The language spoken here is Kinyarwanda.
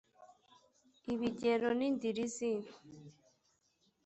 ibigero n indiri z i